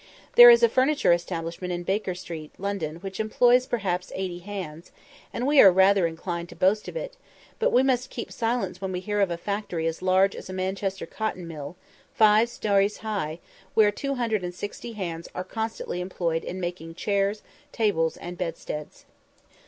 There is a furniture establishment in Baker Street, London, which employs perhaps eighty hands, and we are rather inclined to boast of it, but we must keep silence when we hear of a factory as large as a Manchester cotton mill, five stones high, where 260 hands are constantly employed in making chairs, tables, and bedsteads.